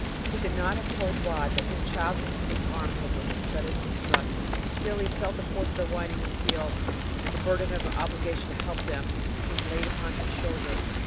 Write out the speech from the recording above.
He could not have told why, but his child instinct armed him with a sudden distrust. Still, he felt the force of the whining appeal, and the burden of an obligation to help them seemed laid upon his shoulders.